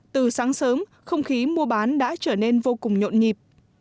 từ sáng sớm không khí mua bán đã trở nên vô cùng nhộn nhịp